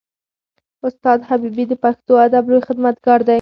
استاد حبیبي د پښتو ادب لوی خدمتګار دی.